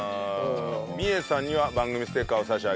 みえさんには番組ステッカーを差し上げます。